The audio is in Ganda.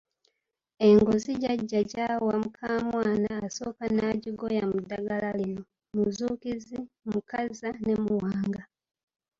Engozi jajja gy’awa mukamwana asooka n’agigoya mu ddagala lino; muzuukizi, mukaza ne muwanga.